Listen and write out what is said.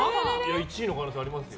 １位の可能性ありますよ。